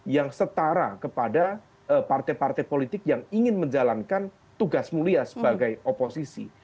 yang setara kepada partai partai politik yang ingin menjalankan tugas mulia sebagai oposisi